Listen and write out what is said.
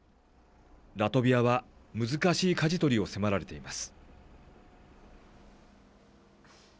ラトビアは難しいかじ取りを迫られています。